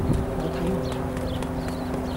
我睇唔透